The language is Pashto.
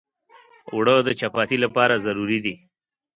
اوړه د چپاتي لپاره ضروري دي